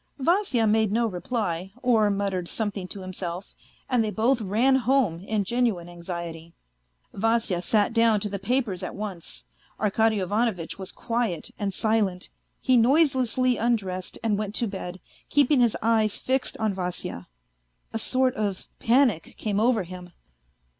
Vasya made no reply, or muttered something to himself, and they both ran home in genuine anxiety. Vasya sat down to the papers at once. Arkady Ivanovitch was quiet and silent ; he noiselessly undressed and went to bed, keeping his eyes fixed on Vasya. ... A sort of panic came over him.